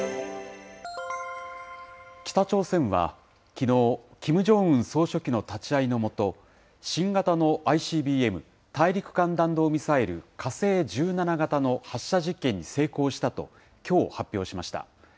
北朝鮮はきのう、キム・ジョンウン総書記の立ち会いのもと、新型のＩＣＢＭ・大陸間弾道ミサイル火星１７型の発射実験に成功したと、きょう発表しました。